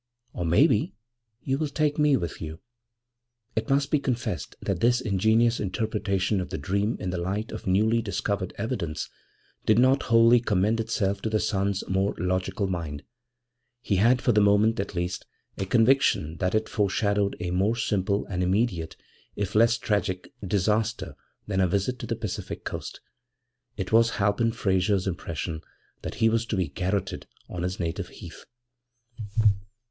Or maybe you will take me with you?' It must be confessed that this ingenious interpretation of the dream in the light of newly discovered evidence did not wholly commend itself to the son's more logical mind; he had, for the moment at least, a conviction that it foreshadowed a more simple and immediate, if less tragic, disaster than a visit to the Pacific Coast. It was Halpin Frayser's impression that he was to be garroted on his native heath.